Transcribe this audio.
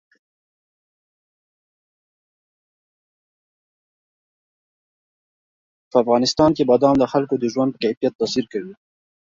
په افغانستان کې بادام د خلکو د ژوند په کیفیت تاثیر کوي.